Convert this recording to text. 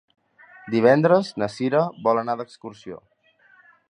Divendres na Cira vol anar d'excursió.